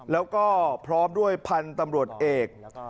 แล้วก็พร้อมด้วยพันธุ์ตำรวจเอก